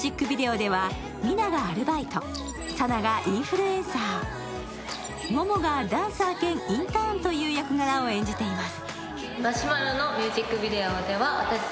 ミュージックビデオではＭＩＮＡがアルバイト、ＳＡＮＡがインフルエンサー、ＭＯＭＯがダンサー兼インターンという役柄を演じています。